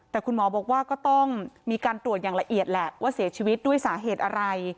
แต่คุณหมอบอกว่าก็ต้องมีการตรวจอย่างละเอียดแหละว่าเสียชีวิตด้วยสาเหตุอะไร